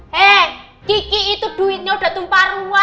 hei kiki itu duitnya udah tumpah ruah